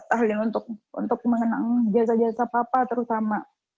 ah ya untuk mengenang jasa jasa papa terutama